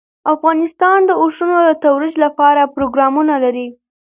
افغانستان د اوښانو د ترویج لپاره پروګرامونه لري.